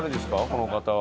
この方は。